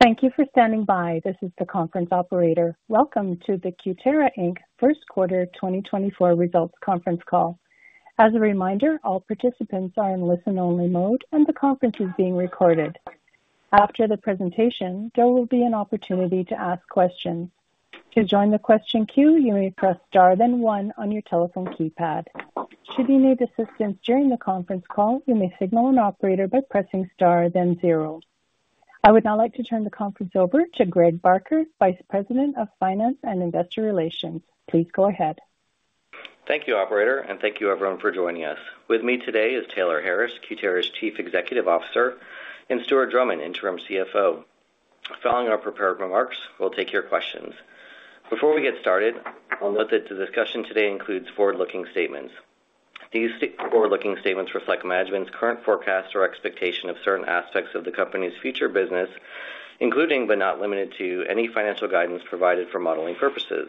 Thank you for standing by. This is the conference operator. Welcome to the Cutera, Inc. Q1 2024 Results Conference Call. As a reminder, all participants are in listen-only mode, and the conference is being recorded. After the presentation, there will be an opportunity to ask questions. To join the question queue, you may press star then 1 on your telephone keypad. Should you need assistance during the conference call, you may signal an operator by pressing star then 0. I would now like to turn the conference over to Greg Barker, Vice President of Finance and Investor Relations. Please go ahead. Thank you, operator, and thank you, everyone, for joining us. With me today is Taylor Harris, Cutera's Chief Executive Officer, and Stuart Drummond, Interim CFO. Following our prepared remarks, we'll take your questions. Before we get started, I'll note that the discussion today includes forward-looking statements. These forward-looking statements reflect management's current forecast or expectation of certain aspects of the company's future business, including but not limited to any financial guidance provided for modeling purposes.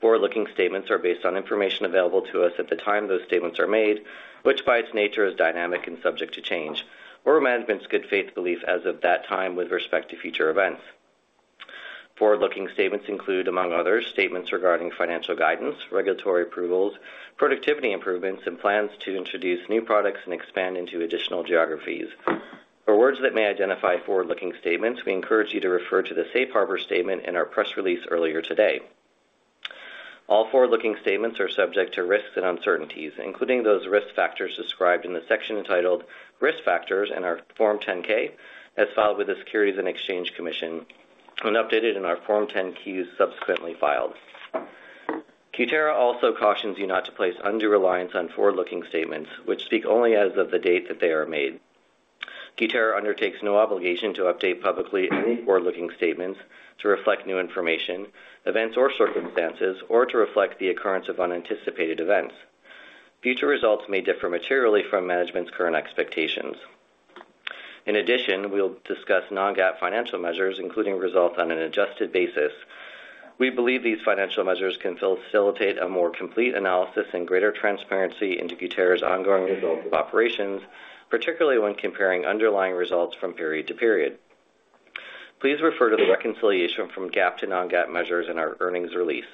Forward-looking statements are based on information available to us at the time those statements are made, which by its nature is dynamic and subject to change, or management's good faith belief as of that time with respect to future events. Forward-looking statements include, among others, statements regarding financial guidance, regulatory approvals, productivity improvements, and plans to introduce new products and expand into additional geographies. For words that may identify forward-looking statements, we encourage you to refer to the Safe Harbor statement in our press release earlier today. All forward-looking statements are subject to risks and uncertainties, including those risk factors described in the section entitled Risk Factors in our Form 10-K, as filed with the Securities and Exchange Commission, and updated in our Form 10-Q subsequently filed. Cutera also cautions you not to place undue reliance on forward-looking statements, which speak only as of the date that they are made. Cutera undertakes no obligation to update publicly any forward-looking statements to reflect new information, events, or circumstances, or to reflect the occurrence of unanticipated events. Future results may differ materially from management's current expectations. In addition, we'll discuss non-GAAP financial measures, including results on an adjusted basis. We believe these financial measures can facilitate a more complete analysis and greater transparency into Cutera's ongoing results of operations, particularly when comparing underlying results from period to period. Please refer to the reconciliation from GAAP to non-GAAP measures in our earnings release.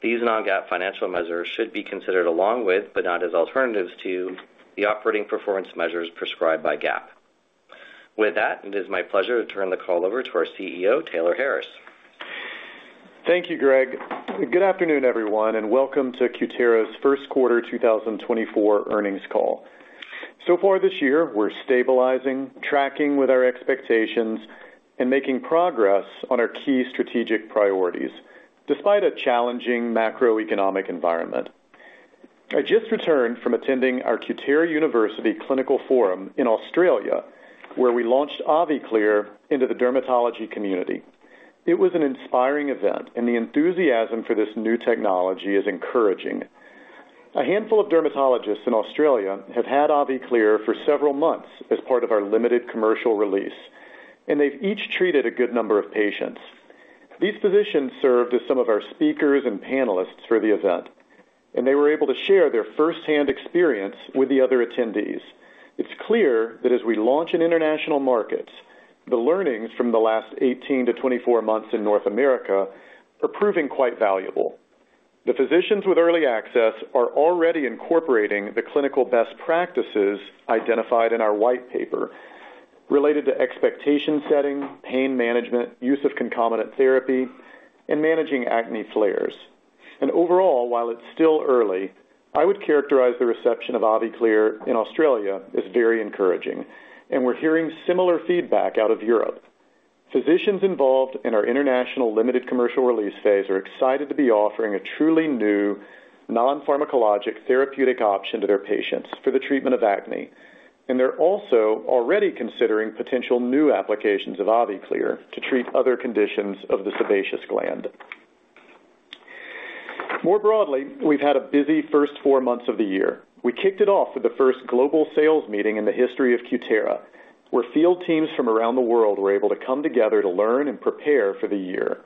These non-GAAP financial measures should be considered along with but not as alternatives to the operating performance measures prescribed by GAAP. With that, it is my pleasure to turn the call over to our CEO, Taylor Harris. Thank you, Greg. Good afternoon, everyone, and welcome to Cutera's Q1 2024 Earnings Call. So far this year, we're stabilizing, tracking with our expectations, and making progress on our key strategic priorities despite a challenging macroeconomic environment. I just returned from attending our Cutera University Clinical Forum in Australia, where we launched AviClear into the dermatology community. It was an inspiring event, and the enthusiasm for this new technology is encouraging. A handful of dermatologists in Australia have had AviClear for several months as part of our limited commercial release, and they've each treated a good number of patients. These physicians served as some of our speakers and panelists for the event, and they were able to share their firsthand experience with the other attendees. It's clear that as we launch in international markets, the learnings from the last 18-24 months in North America are proving quite valuable. The physicians with early access are already incorporating the clinical best practices identified in our white paper related to expectation setting, pain management, use of concomitant therapy, and managing acne flares. Overall, while it's still early, I would characterize the reception of AviClear in Australia as very encouraging, and we're hearing similar feedback out of Europe. Physicians involved in our international limited commercial release phase are excited to be offering a truly new non-pharmacologic therapeutic option to their patients for the treatment of acne, and they're also already considering potential new applications of AviClear to treat other conditions of the sebaceous gland. More broadly, we've had a busy first four months of the year. We kicked it off with the first global sales meeting in the history of Cutera, where field teams from around the world were able to come together to learn and prepare for the year.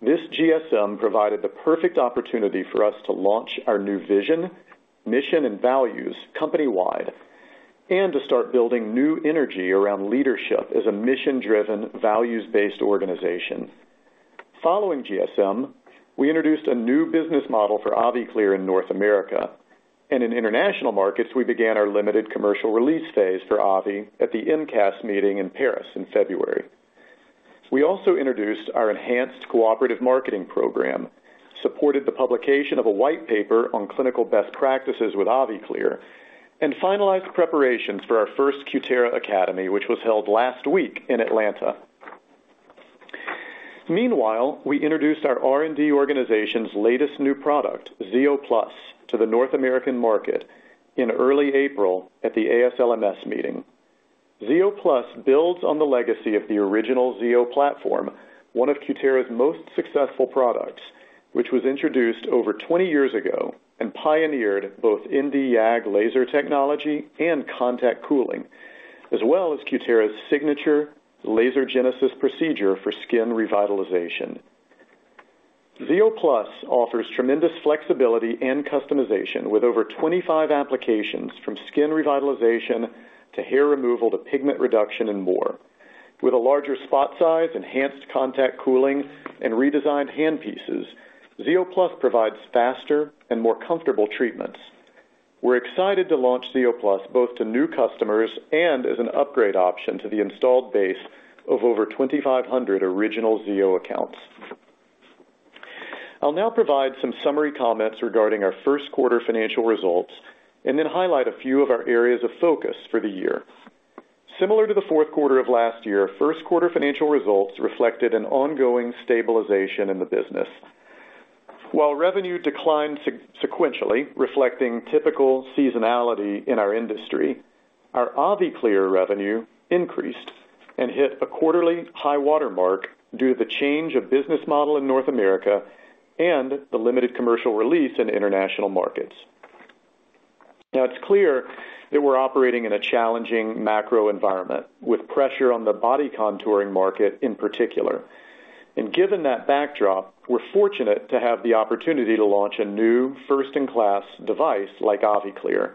This GSM provided the perfect opportunity for us to launch our new vision, mission, and values company-wide, and to start building new energy around leadership as a mission-driven, values-based organization. Following GSM, we introduced a new business model for AviClear in North America, and in international markets, we began our limited commercial release phase for AviClear at the IMCAS meeting in Paris in February. We also introduced our enhanced cooperative marketing program, supported the publication of a white paper on clinical best practices with AviClear, and finalized preparations for our first Cutera Academy, which was held last week in Atlanta. Meanwhile, we introduced our R&D organization's latest new product, xeo+, to the North American market in early April at the ASLMS meeting. xeo+ builds on the legacy of the original xeo platform, one of Cutera's most successful products, which was introduced over 20 years ago and pioneered both in the Nd:YAG laser technology and contact cooling, as well as Cutera's signature Laser Genesis procedure for skin revitalization. xeo+ offers tremendous flexibility and customization with over 25 applications from skin revitalization to hair removal to pigment reduction and more. With a larger spot size, enhanced contact cooling, and redesigned handpieces, xeo+ provides faster and more comfortable treatments. We're excited to launch xeo+ both to new customers and as an upgrade option to the installed base of over 2,500 original xeo accounts. I'll now provide some summary comments regarding our Q1 financial results and then highlight a few of our areas of focus for the year. Similar to the Q4 of last year, Q1 financial results reflected an ongoing stabilization in the business. While revenue declined sequentially, reflecting typical seasonality in our industry, our AviClear revenue increased and hit a quarterly high watermark due to the change of business model in North America and the limited commercial release in international markets. Now, it's clear that we're operating in a challenging macro environment with pressure on the body contouring market in particular. Given that backdrop, we're fortunate to have the opportunity to launch a new first-in-class device like AviClear.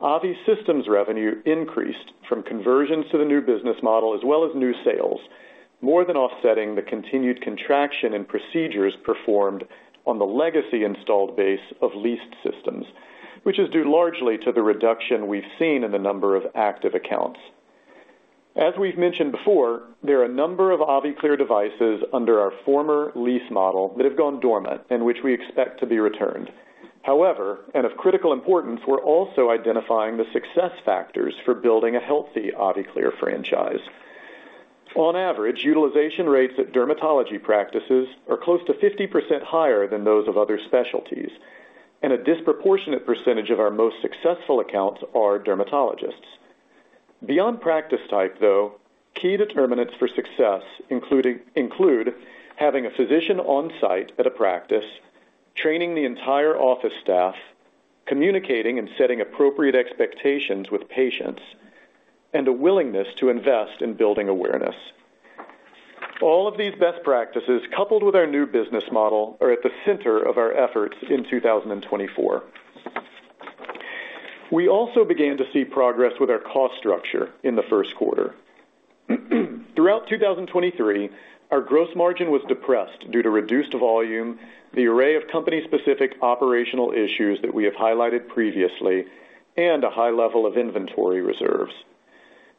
AviClear revenue increased from conversions to the new business model as well as new sales, more than offsetting the continued contraction in procedures performed on the legacy installed base of leased systems, which is due largely to the reduction we've seen in the number of active accounts. As we've mentioned before, there are a number of AviClear devices under our former lease model that have gone dormant and which we expect to be returned. However, and of critical importance, we're also identifying the success factors for building a healthy AviClear franchise. On average, utilization rates at dermatology practices are close to 50% higher than those of other specialties, and a disproportionate percentage of our most successful accounts are dermatologists. Beyond practice type, though, key determinants for success include having a physician on site at a practice, training the entire office staff, communicating and setting appropriate expectations with patients, and a willingness to invest in building awareness. All of these best practices, coupled with our new business model, are at the center of our efforts in 2024. We also began to see progress with our cost structure in the Q1. Throughout 2023, our gross margin was depressed due to reduced volume, the array of company-specific operational issues that we have highlighted previously, and a high level of inventory reserves.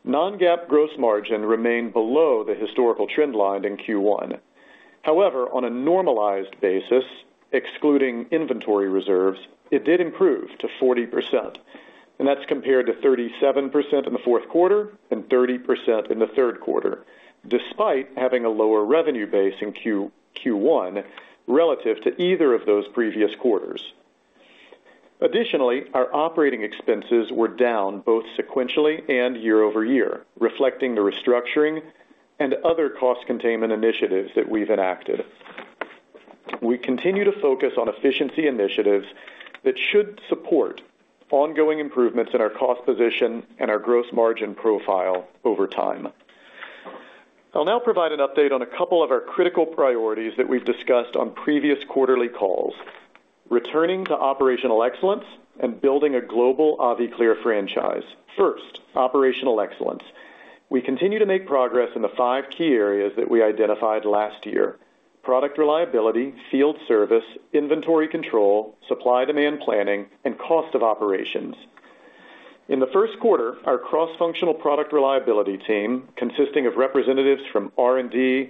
Non-GAAP gross margin remained below the historical trend line in Q1. However, on a normalized basis, excluding inventory reserves, it did improve to 40%, and that's compared to 37% in the Q4 and 30% in the Q3, despite having a lower revenue base in Q1 relative to either of those previous quarters. Additionally, our operating expenses were down both sequentially and year-over-year, reflecting the restructuring and other cost containment initiatives that we've enacted. We continue to focus on efficiency initiatives that should support ongoing improvements in our cost position and our gross margin profile over time. I'll now provide an update on a couple of our critical priorities that we've discussed on previous quarterly calls: returning to operational excellence and building a global AviClear franchise. First, operational excellence. We continue to make progress in the five key areas that we identified last year: product reliability, field service, inventory control, supply-demand planning, and cost of operations. In the Q1, our cross-functional product reliability team, consisting of representatives from R&D,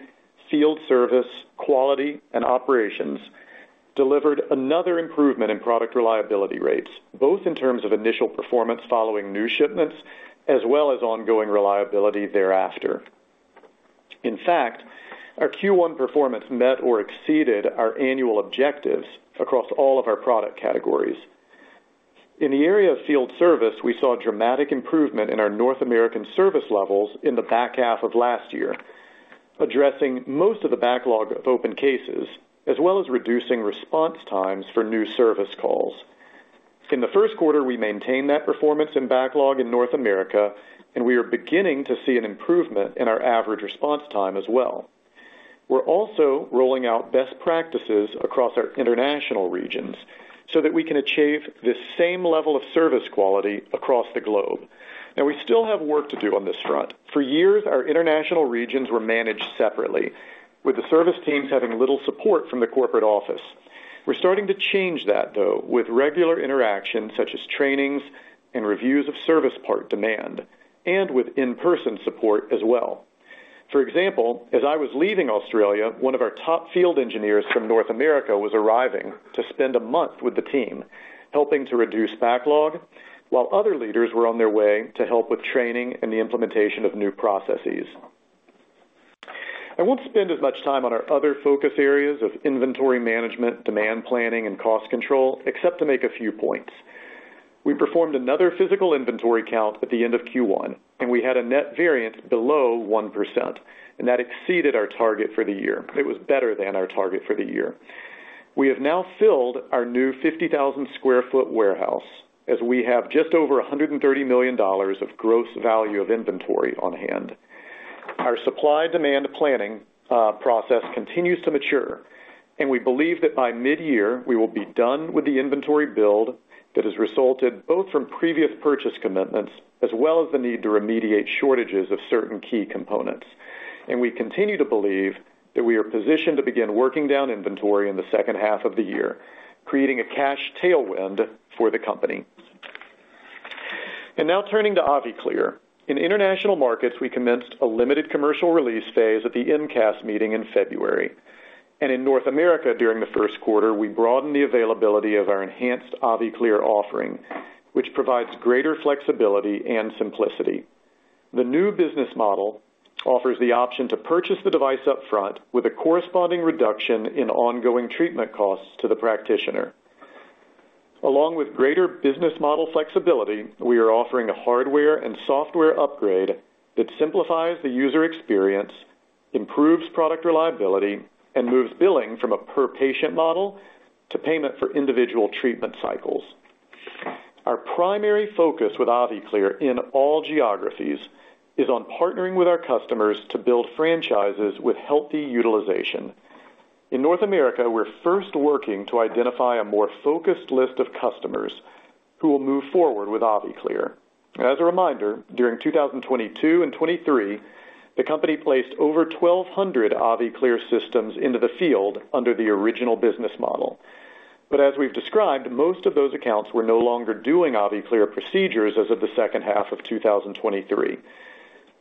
field service, quality, and operations, delivered another improvement in product reliability rates, both in terms of initial performance following new shipments as well as ongoing reliability thereafter. In fact, our Q1 performance met or exceeded our annual objectives across all of our product categories. In the area of field service, we saw dramatic improvement in our North American service levels in the back half of last year, addressing most of the backlog of open cases as well as reducing response times for new service calls. In the Q1, we maintained that performance and backlog in North America, and we are beginning to see an improvement in our average response time as well. We're also rolling out best practices across our international regions so that we can achieve the same level of service quality across the globe. Now, we still have work to do on this front. For years, our international regions were managed separately, with the service teams having little support from the corporate office. We're starting to change that, though, with regular interaction such as trainings and reviews of service part demand, and with in-person support as well. For example, as I was leaving Australia, one of our top field engineers from North America was arriving to spend a month with the team, helping to reduce backlog, while other leaders were on their way to help with training and the implementation of new processes. I won't spend as much time on our other focus areas of inventory management, demand planning, and cost control, except to make a few points. We performed another physical inventory count at the end of Q1, and we had a net variance below 1%, and that exceeded our target for the year. It was better than our target for the year. We have now filled our new 50,000 sq ft warehouse as we have just over $130 million of gross value of inventory on hand. Our supply-demand planning process continues to mature, and we believe that by mid-year, we will be done with the inventory build that has resulted both from previous purchase commitments as well as the need to remediate shortages of certain key components. We continue to believe that we are positioned to begin working down inventory in the second half of the year, creating a cash tailwind for the company. Now turning to AviClear. In international markets, we commenced a limited commercial release phase at the MCAS meeting in February. In North America during the Q1, we broadened the availability of our enhanced AviClear offering, which provides greater flexibility and simplicity. The new business model offers the option to purchase the device upfront with a corresponding reduction in ongoing treatment costs to the practitioner. Along with greater business model flexibility, we are offering a hardware and software upgrade that simplifies the user experience, improves product reliability, and moves billing from a per-patient model to payment for individual treatment cycles. Our primary focus with AviClear in all geographies is on partnering with our customers to build franchises with healthy utilization. In North America, we're first working to identify a more focused list of customers who will move forward with AviClear. As a reminder, during 2022 and 2023, the company placed over 1,200 AviClear systems into the field under the original business model. But as we've described, most of those accounts were no longer doing AviClear procedures as of the second half of 2023.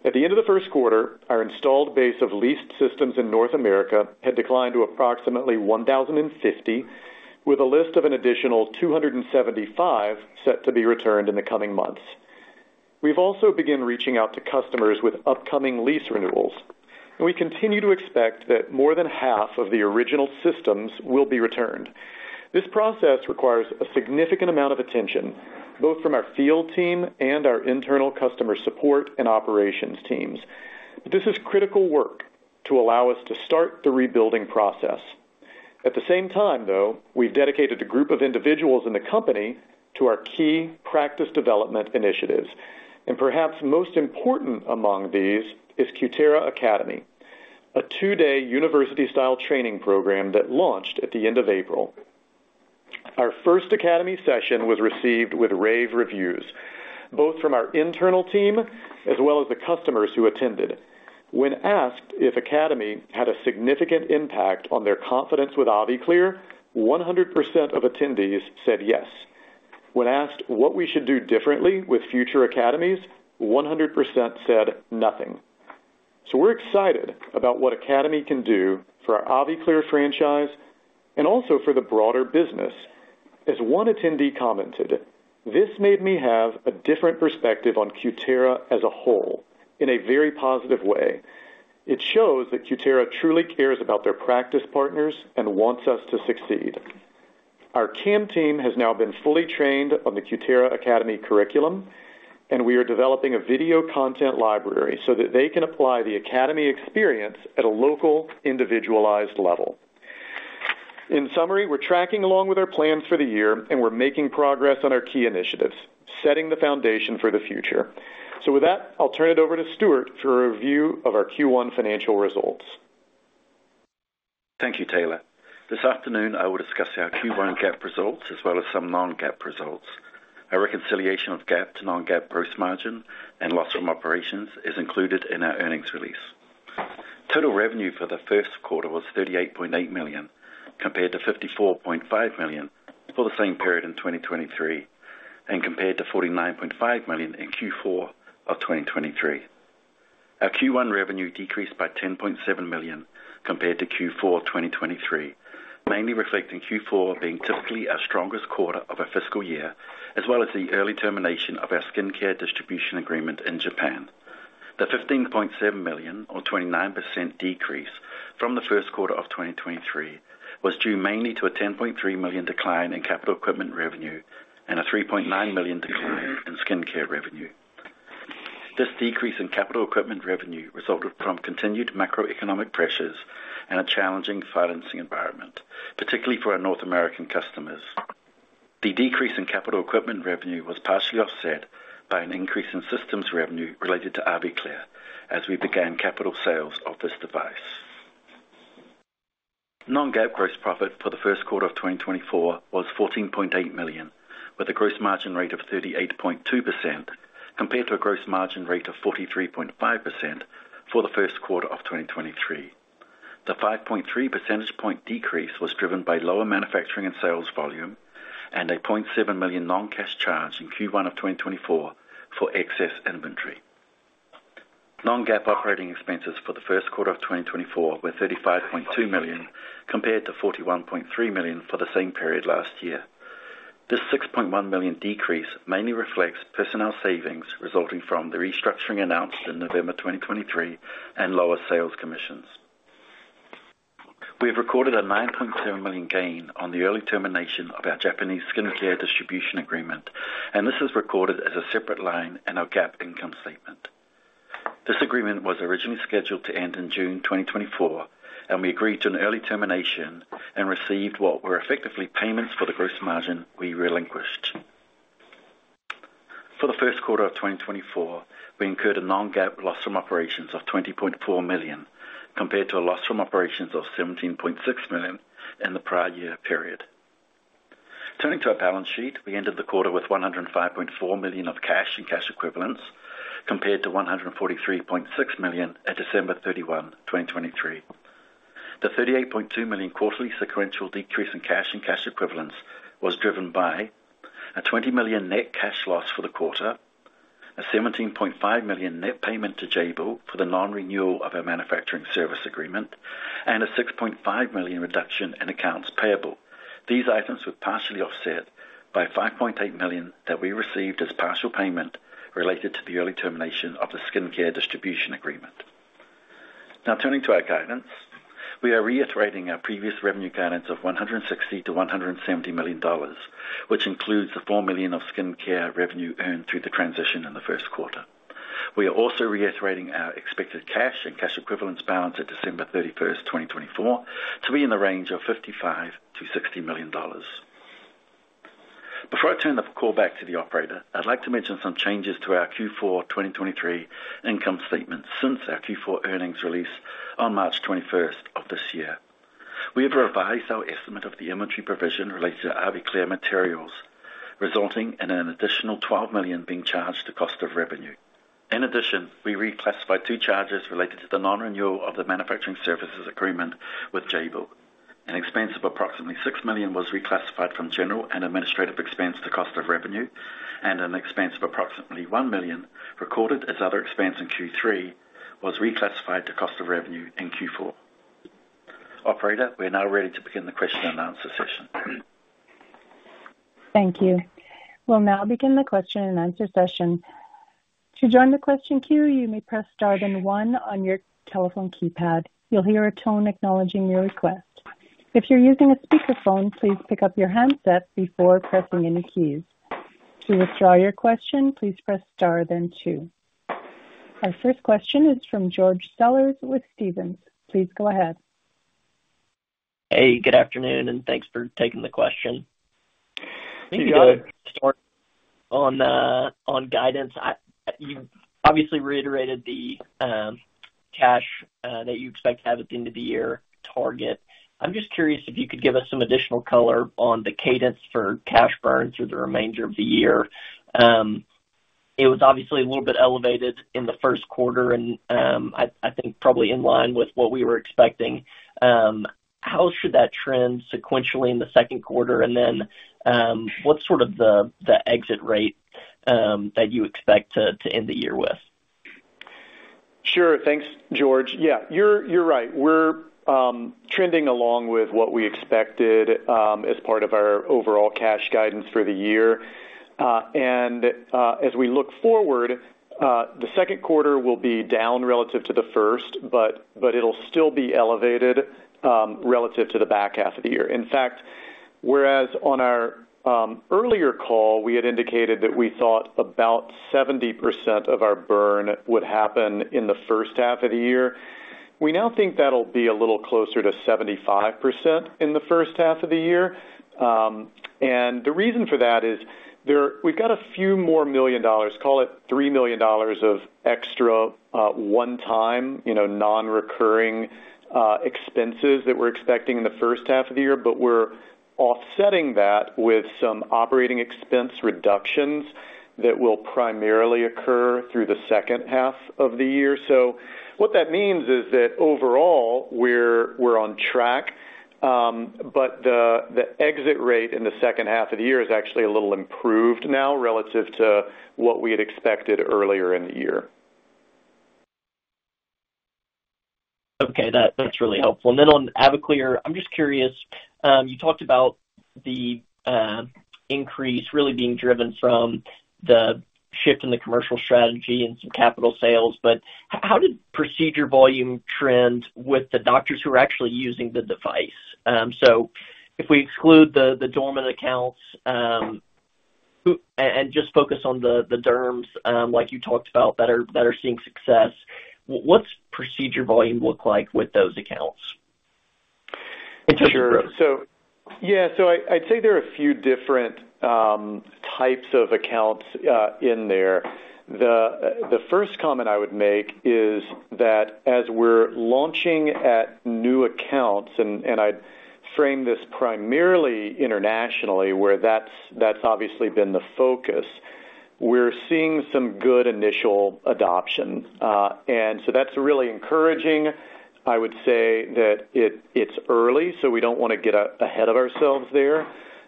At the end of the Q1, our installed base of leased systems in North America had declined to approximately 1,050, with a list of an additional 275 set to be returned in the coming months. We've also begun reaching out to customers with upcoming lease renewals, and we continue to expect that more than half of the original systems will be returned. This process requires a significant amount of attention, both from our field team and our internal customer support and operations teams. But this is critical work to allow us to start the rebuilding process. At the same time, though, we've dedicated a group of individuals in the company to our key practice development initiatives. Perhaps most important among these is Cutera Academy, a two-day university-style training program that launched at the end of April. Our first Academy session was received with rave reviews, both from our internal team as well as the customers who attended. When asked if Academy had a significant impact on their confidence with AviClear, 100% of attendees said yes. When asked what we should do differently with future Academies, 100% said nothing. So we're excited about what Academy can do for our AviClear franchise and also for the broader business. As one attendee commented, "This made me have a different perspective on Cutera as a whole in a very positive way. It shows that Cutera truly cares about their practice partners and wants us to succeed." Our CAM team has now been fully trained on the Cutera Academy curriculum, and we are developing a video content library so that they can apply the academy experience at a local, individualized level. In summary, we're tracking along with our plans for the year, and we're making progress on our key initiatives, setting the foundation for the future. So with that, I'll turn it over to Stuart for a review of our Q1 financial results. Thank you, Taylor. This afternoon, I will discuss our Q1 GAAP results as well as some non-GAAP results. Our reconciliation of GAAP to non-GAAP gross margin and loss from operations is included in our earnings release. Total revenue for the Q1 was $38.8 million compared to $54.5 million for the same period in 2023 and compared to $49.5 million in Q4 of 2023. Our Q1 revenue decreased by $10.7 million compared to Q4 2023, mainly reflecting Q4 being typically our strongest quarter of a fiscal year as well as the early termination of our skincare distribution agreement in Japan. The $15.7 million or 29% decrease from the Q1 of 2023 was due mainly to a $10.3 million decline in capital equipment revenue and a $3.9 million decline in skincare revenue. This decrease in capital equipment revenue resulted from continued macroeconomic pressures and a challenging financing environment, particularly for our North American customers. The decrease in capital equipment revenue was partially offset by an increase in systems revenue related to AviClear as we began capital sales of this device. Non-GAAP gross profit for the Q1 of 2024 was $14.8 million, with a gross margin rate of 38.2% compared to a gross margin rate of 43.5% for the Q1 of 2023. The 5.3 percentage point decrease was driven by lower manufacturing and sales volume and a $0.7 million non-cash charge in Q1 of 2024 for excess inventory. Non-GAAP operating expenses for the Q1 of 2024 were $35.2 million compared to $41.3 million for the same period last year. This $6.1 million decrease mainly reflects personnel savings resulting from the restructuring announced in November 2023 and lower sales commissions. We have recorded a $9.7 million gain on the early termination of our Japanese skincare distribution agreement, and this is recorded as a separate line in our GAAP income statement. This agreement was originally scheduled to end in June 2024, and we agreed to an early termination and received what were effectively payments for the gross margin we relinquished. For the Q1 of 2024, we incurred a non-GAAP loss from operations of $20.4 million compared to a loss from operations of $17.6 million in the prior year period. Turning to our balance sheet, we ended the quarter with $105.4 million of cash in cash equivalents compared to $143.6 million at December 31, 2023. The $38.2 million quarterly sequential decrease in cash and cash equivalents was driven by a $20 million net cash loss for the quarter, a $17.5 million net payment to Jabil for the non-renewal of our manufacturing service agreement, and a $6.5 million reduction in accounts payable. These items were partially offset by $5.8 million that we received as partial payment related to the early termination of the skincare distribution agreement. Now turning to our guidance, we are reiterating our previous revenue guidance of $160 million-$170 million, which includes the $4 million of skincare revenue earned through the transition in the Q1. We are also reiterating our expected cash and cash equivalents balance at December 31, 2024, to be in the range of $55 million-$60 million. Before I turn the call back to the operator, I'd like to mention some changes to our Q4 2023 income statement since our Q4 earnings release on March 21st of this year. We have revised our estimate of the inventory provision related to AviClear materials, resulting in an additional $12 million being charged to cost of revenue. In addition, we reclassified two charges related to the non-renewal of the manufacturing services agreement with Jabil. An expense of approximately $6 million was reclassified from general and administrative expense to cost of revenue, and an expense of approximately $1 million recorded as other expense in Q3 was reclassified to cost of revenue in Q4. Operator, we are now ready to begin the question and answer session. Thank you. We'll now begin the question and answer session. To join the question queue, you may press star then one on your telephone keypad. You'll hear a tone acknowledging your request. If you're using a speakerphone, please pick up your handset before pressing any keys. To withdraw your question, please press star then two. Our first question is from George Sellers with Stifel. Please go ahead. Hey, good afternoon, and thanks for taking the question. Thank you, George. On guidance, you obviously reiterated the cash that you expect to have at the end of the year target. I'm just curious if you could give us some additional color on the cadence for cash burn through the remainder of the year. It was obviously a little bit elevated in the Q1, and I think probably in line with what we were expecting. How should that trend sequentially in the Q2, and then what's sort of the exit rate that you expect to end the year with? Sure. Thanks, George. Yeah, you're right. We're trending along with what we expected as part of our overall cash guidance for the year. And as we look forward, the Q2 will be down relative to the first, but it'll still be elevated relative to the back half of the year. In fact, whereas on our earlier call, we had indicated that we thought about 70% of our burn would happen in the first half of the year, we now think that'll be a little closer to 75% in the first half of the year. And the reason for that is we've got a few more million dollars, call it $3 million of extra one-time, non-recurring expenses that we're expecting in the first half of the year, but we're offsetting that with some operating expense reductions that will primarily occur through the second half of the year. What that means is that overall, we're on track, but the exit rate in the second half of the year is actually a little improved now relative to what we had expected earlier in the year. Okay. That's really helpful. And then on AviClear, I'm just curious. You talked about the increase really being driven from the shift in the commercial strategy and some capital sales, but how did procedure volume trend with the doctors who were actually using the device? So if we exclude the dormant accounts and just focus on the derms like you talked about that are seeing success, what's procedure volume look like with those accounts in terms of growth? Sure. Yeah. So I'd say there are a few different types of accounts in there. The first comment I would make is that as we're launching at new accounts, and I'd frame this primarily internationally where that's obviously been the focus, we're seeing some good initial adoption. And so that's really encouraging. I would say that it's early, so we don't want to get ahead of ourselves there.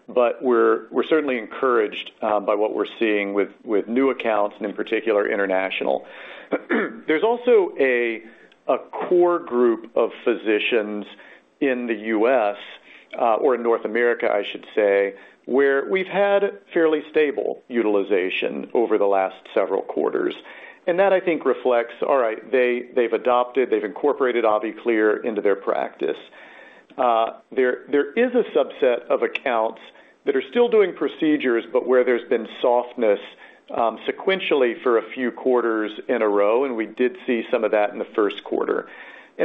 But we're certainly encouraged by what we're seeing with new accounts, and in particular, international. There's also a core group of physicians in the U.S. or in North America, I should say, where we've had fairly stable utilization over the last several quarters. And that, I think, reflects, all right, they've adopted. They've incorporated AviClear into their practice. There is a subset of accounts that are still doing procedures, but where there's been softness sequentially for a few quarters in a row, and we did see some of that in the Q1.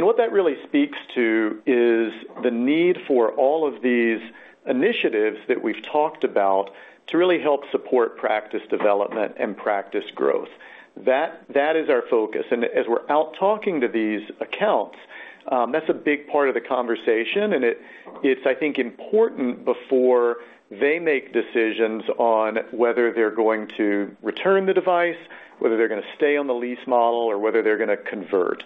What that really speaks to is the need for all of these initiatives that we've talked about to really help support practice development and practice growth. That is our focus. As we're out talking to these accounts, that's a big part of the conversation, and it's, I think, important before they make decisions on whether they're going to return the device, whether they're going to stay on the lease model, or whether they're going to convert.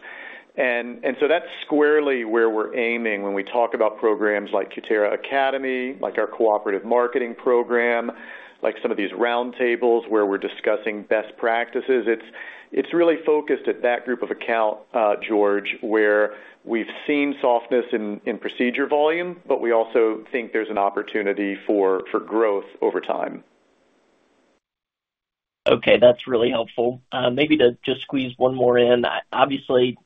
So that's squarely where we're aiming when we talk about programs like Cutera Academy, like our cooperative marketing program, like some of these roundtables where we're discussing best practices. It's really focused at that group of account, George, where we've seen softness in procedure volume, but we also think there's an opportunity for growth over time. Okay. That's really helpful. Maybe to just squeeze one more in. Obviously,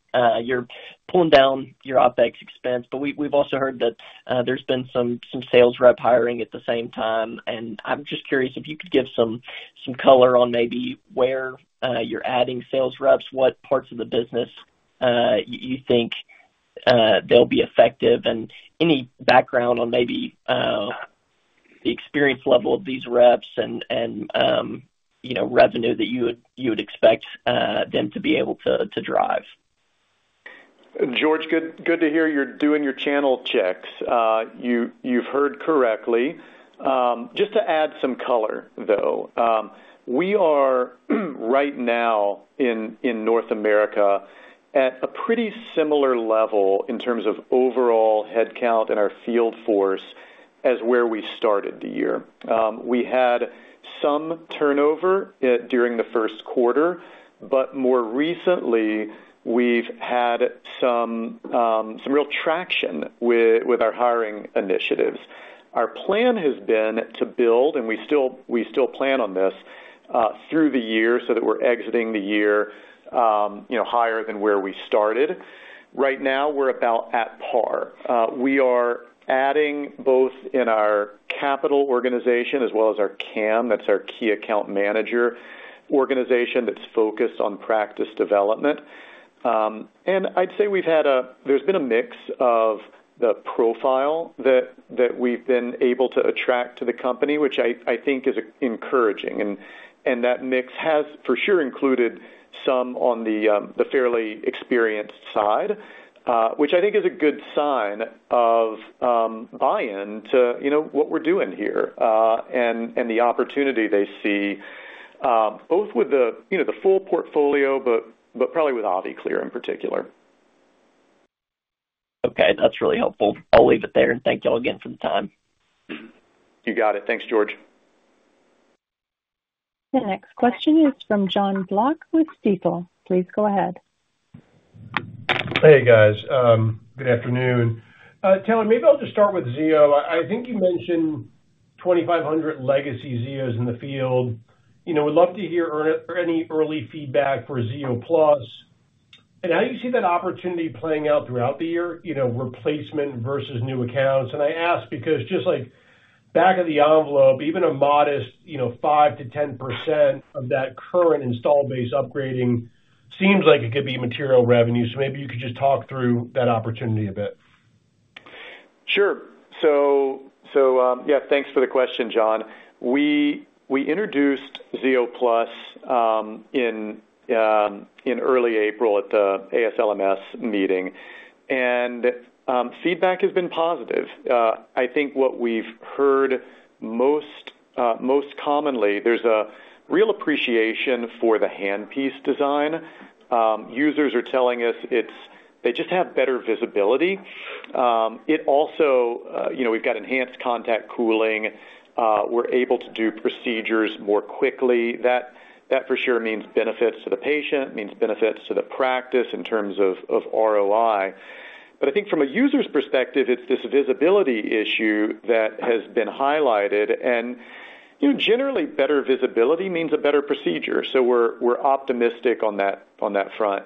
you're pulling down your OPEX expense, but we've also heard that there's been some sales rep hiring at the same time. And I'm just curious if you could give some color on maybe where you're adding sales reps, what parts of the business you think they'll be effective, and any background on maybe the experience level of these reps and revenue that you would expect them to be able to drive. George, good to hear you're doing your channel checks. You've heard correctly. Just to add some color, though, we are right now in North America at a pretty similar level in terms of overall headcount and our field force as where we started the year. We had some turnover during the Q1, but more recently, we've had some real traction with our hiring initiatives. Our plan has been to build, and we still plan on this through the year so that we're exiting the year higher than where we started. Right now, we're about at par. We are adding both in our capital organization as well as our CAM, that's our key account manager organization that's focused on practice development. And I'd say there's been a mix of the profile that we've been able to attract to the company, which I think is encouraging. That mix has for sure included some on the fairly experienced side, which I think is a good sign of buy-in to what we're doing here and the opportunity they see, both with the full portfolio, but probably with AviClear in particular. Okay. That's really helpful. I'll leave it there, and thank y'all again for the time. You got it. Thanks, George. The next question is from Jon Block with Stifel. Please go ahead. Hey, guys. Good afternoon. Tell me, maybe I'll just start with xeo. I think you mentioned 2,500 legacy xeos in the field. We'd love to hear any early feedback for xeo+. And how do you see that opportunity playing out throughout the year, replacement versus new accounts? And I ask because just back of the envelope, even a modest 5%-10% of that current install base upgrading seems like it could be material revenue. So maybe you could just talk through that opportunity a bit. Sure. So yeah, thanks for the question, John. We introduced xeo+ in early April at the ASLMS meeting, and feedback has been positive. I think what we've heard most commonly, there's a real appreciation for the handpiece design. Users are telling us they just have better visibility. It also, we've got enhanced contact cooling. We're able to do procedures more quickly. That for sure means benefits to the patient, means benefits to the practice in terms of ROI. But I think from a user's perspective, it's this visibility issue that has been highlighted. And generally, better visibility means a better procedure. So we're optimistic on that front.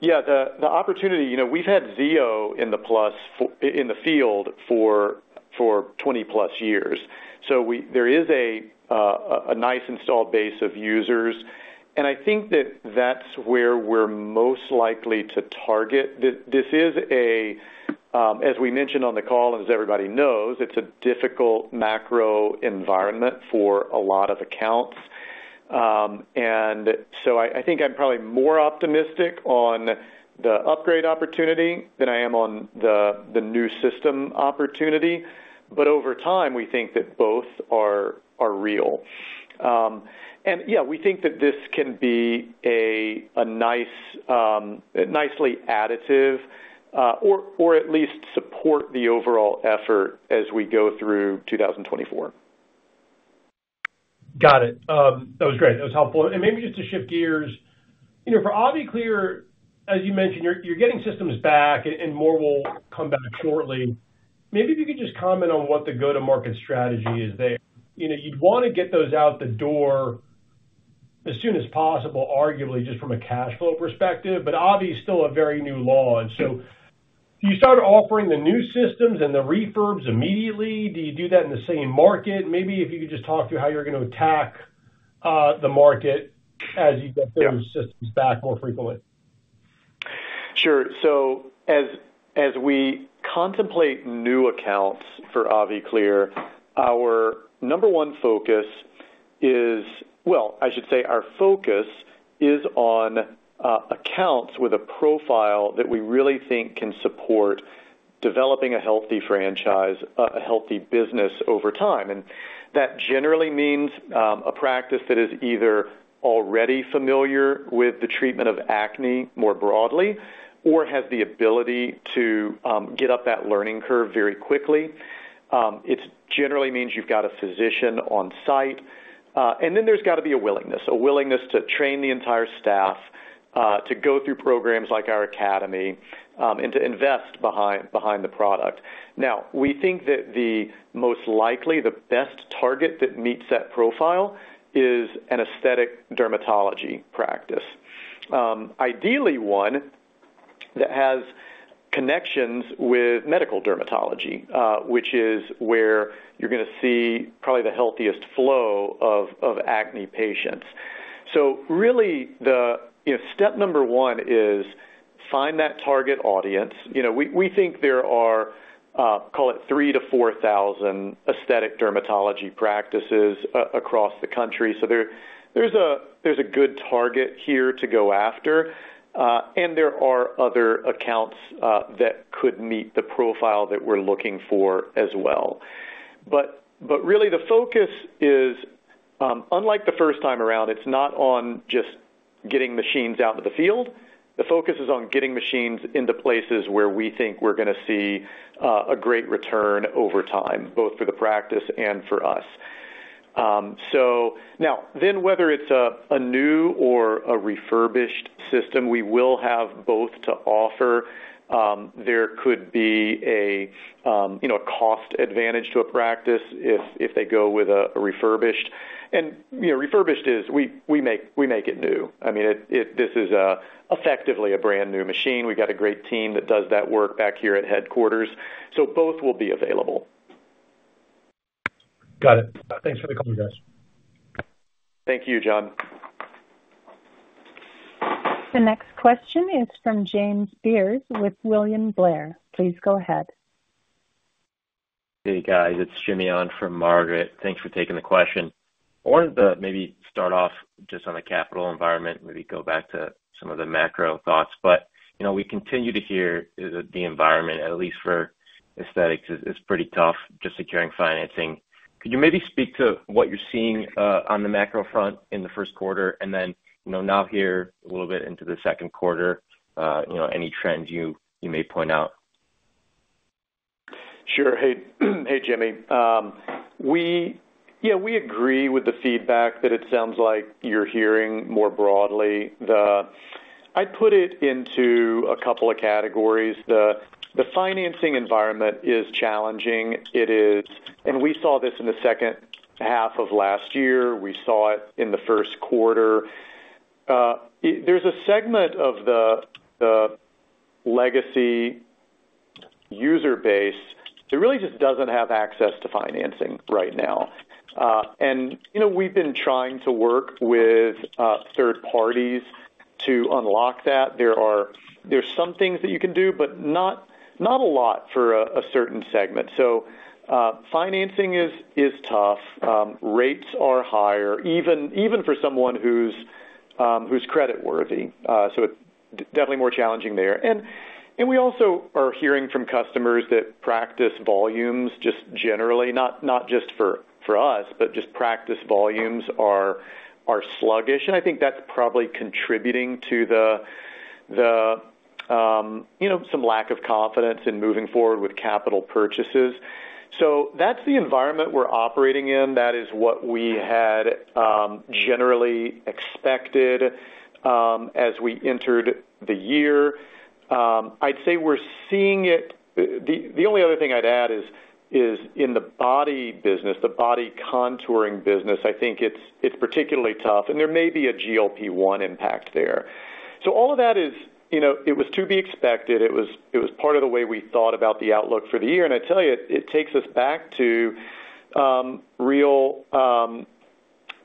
Yeah, the opportunity, we've had xeo in the field for 20+ years. So there is a nice installed base of users. And I think that that's where we're most likely to target. This is a, as we mentioned on the call, and as everybody knows, it's a difficult macro environment for a lot of accounts. And so I think I'm probably more optimistic on the upgrade opportunity than I am on the new system opportunity. But over time, we think that both are real. And yeah, we think that this can be a nicely additive or at least support the overall effort as we go through 2024. Got it. That was great. That was helpful. Maybe just to shift gears, for AviClear, as you mentioned, you're getting systems back, and more will come back shortly. Maybe if you could just comment on what the go-to-market strategy is there. You'd want to get those out the door as soon as possible, arguably, just from a cash flow perspective, but Avi's still a very new launch. So do you start offering the new systems and the refurbs immediately? Do you do that in the same market? Maybe if you could just talk through how you're going to attack the market as you get those systems back more frequently. Sure. So as we contemplate new accounts for AviClear, our number one focus is, well, I should say our focus is on accounts with a profile that we really think can support developing a healthy franchise, a healthy business over time. That generally means a practice that is either already familiar with the treatment of acne more broadly or has the ability to get up that learning curve very quickly. It generally means you've got a physician on site. Then there's got to be a willingness, a willingness to train the entire staff, to go through programs like our academy, and to invest behind the product. Now, we think that the most likely, the best target that meets that profile is an aesthetic dermatology practice. Ideally, one that has connections with medical dermatology, which is where you're going to see probably the healthiest flow of acne patients. So really, step number one is find that target audience. We think there are, call it, 3-4 thousand aesthetic dermatology practices across the country. So there's a good target here to go after. And there are other accounts that could meet the profile that we're looking for as well. But really, the focus is, unlike the first time around, it's not on just getting machines out to the field. The focus is on getting machines into places where we think we're going to see a great return over time, both for the practice and for us. So now, then whether it's a new or a refurbished system, we will have both to offer. There could be a cost advantage to a practice if they go with a refurbished. And refurbished is we make it new. I mean, this is effectively a brand new machine. We've got a great team that does that work back here at headquarters. So both will be available. Got it. Thanks for the call, guys. Thank you, John. The next question is from James Beers with William Blair. Please go ahead. Hey, guys. It's Jim on for Margaret. Thanks for taking the question. I wanted to maybe start off just on the capital environment, maybe go back to some of the macro thoughts. But we continue to hear the environment, at least for aesthetics, is pretty tough, just securing financing. Could you maybe speak to what you're seeing on the macro front in the Q1, and then now here a little bit into the Q2, any trends you may point out? Sure. Hey, Jimmy. Yeah, we agree with the feedback that it sounds like you're hearing more broadly. I'd put it into a couple of categories. The financing environment is challenging. We saw this in the second half of last year. We saw it in the Q1. There's a segment of the legacy user base that really just doesn't have access to financing right now. We've been trying to work with third parties to unlock that. There are some things that you can do, but not a lot for a certain segment. Financing is tough. Rates are higher, even for someone who's creditworthy. It's definitely more challenging there. We also are hearing from customers that practice volumes just generally, not just for us, but just practice volumes are sluggish. And I think that's probably contributing to some lack of confidence in moving forward with capital purchases. So that's the environment we're operating in. That is what we had generally expected as we entered the year. I'd say we're seeing it, the only other thing I'd add is in the body business, the body contouring business, I think it's particularly tough. And there may be a GLP-1 impact there. So all of that is, it was to be expected. It was part of the way we thought about the outlook for the year. And I tell you, it takes us back to reality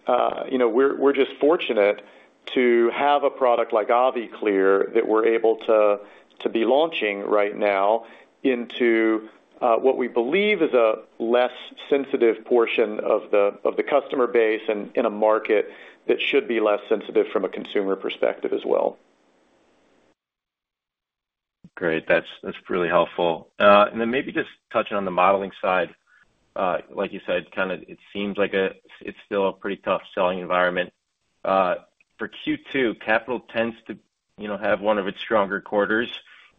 we're just fortunate to have a product like AviClear that we're able to be launching right now into what we believe is a less sensitive portion of the customer base and a market that should be less sensitive from a consumer perspective as well. Great. That's really helpful. Then maybe just touching on the modeling side, like you said, kind of it seems like it's still a pretty tough selling environment. For Q2, capital tends to have one of its stronger quarters.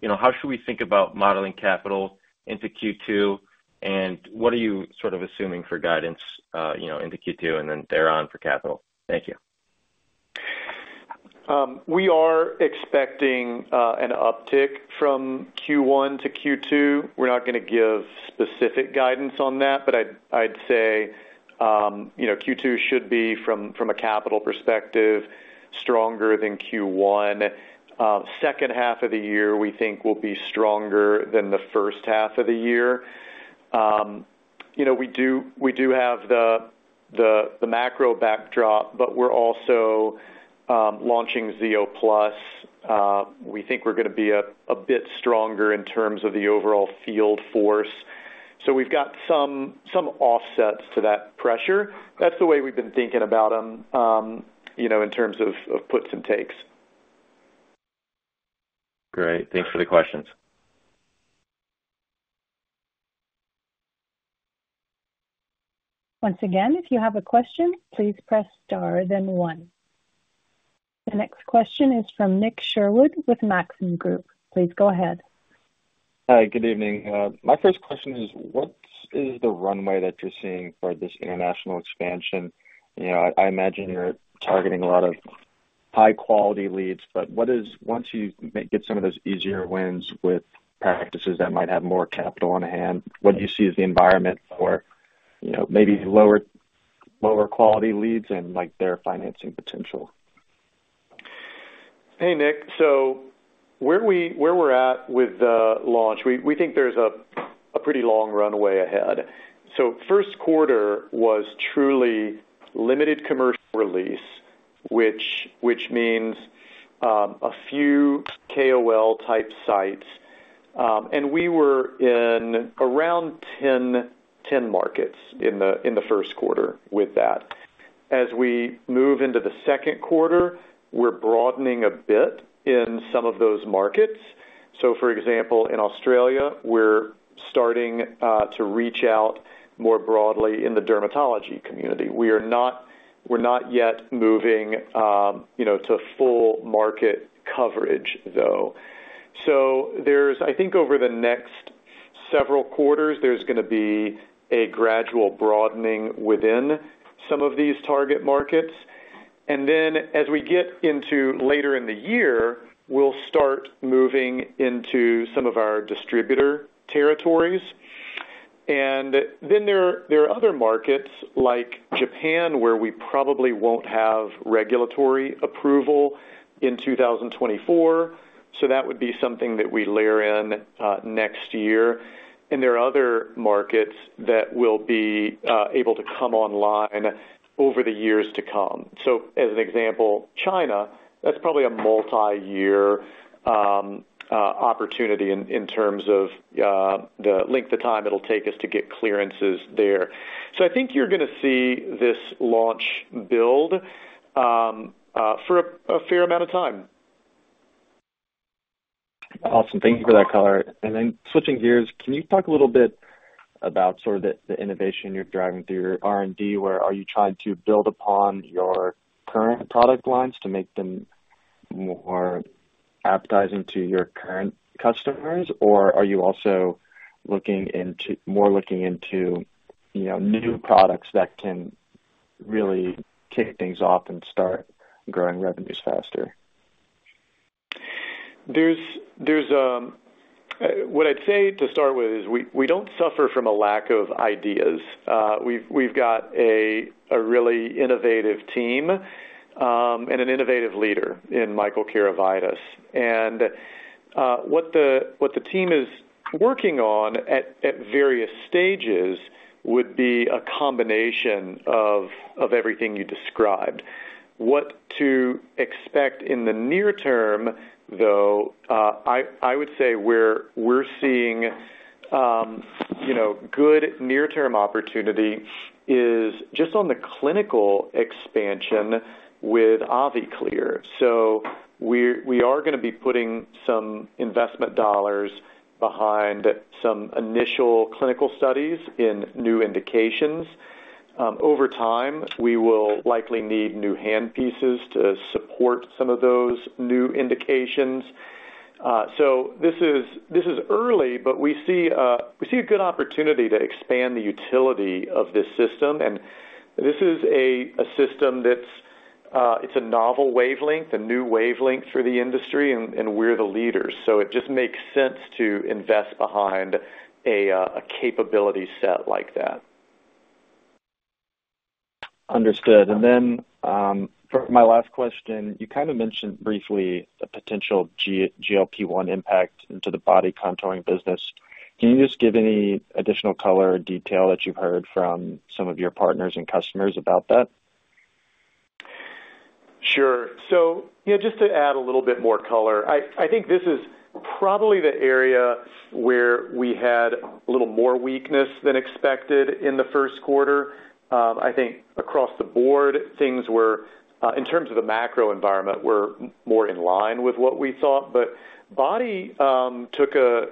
How should we think about modeling capital into Q2? And what are you sort of assuming for guidance into Q2 and then thereon for capital? Thank you. We are expecting an uptick from Q1 to Q2. We're not going to give specific guidance on that, but I'd say Q2 should be, from a capital perspective, stronger than Q1. Second half of the year, we think, will be stronger than the first half of the year. We do have the macro backdrop, but we're also launching xeo+. We think we're going to be a bit stronger in terms of the overall field force. So we've got some offsets to that pressure. That's the way we've been thinking about them in terms of puts and takes. Great. Thanks for the questions. Once again, if you have a question, please press star, then one. The next question is from Nick Sherwood with Maxim Group. Please go ahead. Hi. Good evening. My first question is, what is the runway that you're seeing for this international expansion? I imagine you're targeting a lot of high-quality leads, but once you get some of those easier wins with practices that might have more capital on hand, what do you see as the environment for maybe lower-quality leads and their financing potential? Hey, Nick. So where we're at with the launch, we think there's a pretty long runway ahead. Q1 was truly limited commercial release, which means a few KOL-type sites. And we were in around 10 markets in the Q1 with that. As we move into the Q2, we're broadening a bit in some of those markets. For example, in Australia, we're starting to reach out more broadly in the dermatology community. We're not yet moving to full market coverage, though. I think over the next several quarters, there's going to be a gradual broadening within some of these target markets. And then as we get into later in the year, we'll start moving into some of our distributor territories. And then there are other markets like Japan where we probably won't have regulatory approval in 2024. That would be something that we layer in next year. There are other markets that will be able to come online over the years to come. As an example, China, that's probably a multi-year opportunity in terms of the length of time it'll take us to get clearances there. I think you're going to see this launch build for a fair amount of time. Awesome. Thank you for that, Taylor. And then switching gears, can you talk a little bit about sort of the innovation you're driving through your R&D, where are you trying to build upon your current product lines to make them more appetizing to your current customers, or are you also more looking into new products that can really kick things off and start growing revenues faster? What I'd say to start with is we don't suffer from a lack of ideas. We've got a really innovative team and an innovative leader in Michael Karavitis. What the team is working on at various stages would be a combination of everything you described. What to expect in the near term, though, I would say we're seeing good near-term opportunity is just on the clinical expansion with AviClear. So we are going to be putting some investment dollars behind some initial clinical studies in new indications. Over time, we will likely need new handpieces to support some of those new indications. So this is early, but we see a good opportunity to expand the utility of this system. And this is a system that's. It's a novel wavelength, a new wavelength for the industry, and we're the leaders. It just makes sense to invest behind a capability set like that. Understood. And then for my last question, you kind of mentioned briefly a potential GLP-1 impact into the body contouring business. Can you just give any additional color or detail that you've heard from some of your partners and customers about that? Sure. So just to add a little bit more color, I think this is probably the area where we had a little more weakness than expected in the Q1. I think across the board, things were in terms of the macro environment, we're more in line with what we thought. But body took a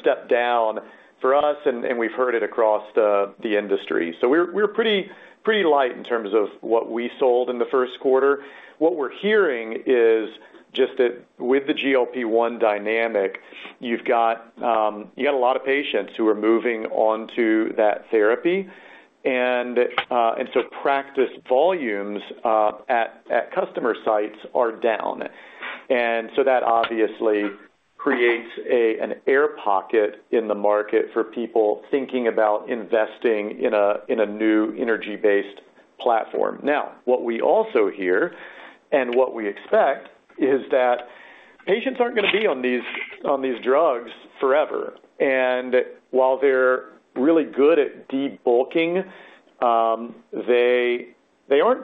step down for us, and we've heard it across the industry. So we're pretty light in terms of what we sold in the Q1. What we're hearing is just that with the GLP-1 dynamic, you've got a lot of patients who are moving onto that therapy. And so practice volumes at customer sites are down. And so that obviously creates an air pocket in the market for people thinking about investing in a new energy-based platform. Now, what we also hear and what we expect is that patients aren't going to be on these drugs forever. And while they're really good at debulking, they aren't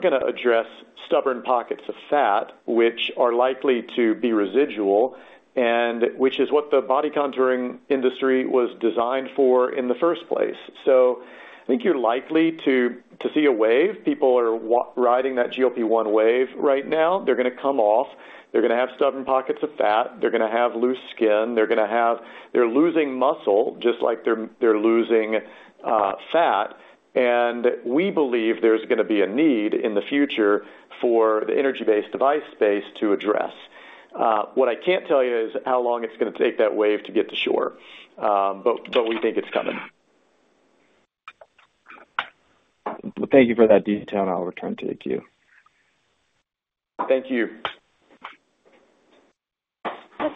going to address stubborn pockets of fat, which are likely to be residual, and which is what the body contouring industry was designed for in the first place. So I think you're likely to see a wave. People are riding that GLP-1 wave right now. They're going to come off. They're going to have stubborn pockets of fat. They're going to have loose skin. They're losing muscle just like they're losing fat. And we believe there's going to be a need in the future for the energy-based device space to address. What I can't tell you is how long it's going to take that wave to get to shore, but we think it's coming. Thank you for that detail. I'll return to the queue. Thank you.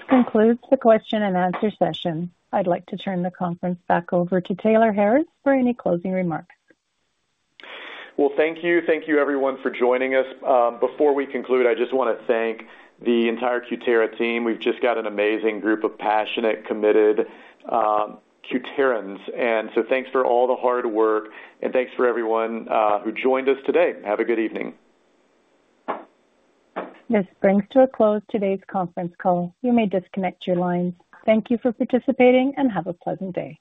This concludes the question and answer session. I'd like to turn the conference back over to Taylor Harris for any closing remarks. Well, thank you. Thank you, everyone, for joining us. Before we conclude, I just want to thank the entire Cutera team. We've just got an amazing group of passionate, committed Cuterans. And so thanks for all the hard work, and thanks for everyone who joined us today. Have a good evening. This brings to a close today's conference call. You may disconnect your lines. Thank you for participating, and have a pleasant day.